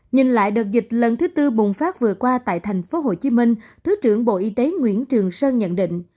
nhìn lại đợt dịch lần thứ tư bùng phát vừa qua tại tp hcm thứ trưởng bộ y tế nguyễn trường sơn nhận định